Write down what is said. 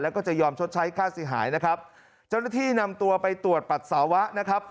แล้วก็จะยอมชดใช้ค่าเสียหายนะครับเจ้าหน้าที่นำตัวไปตรวจปัสสาวะนะครับ